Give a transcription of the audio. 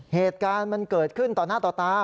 เหตุการณ์มันเกิดขึ้นต่อหน้าต่อตา